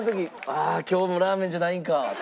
「ああ今日もラーメンじゃないんか」と。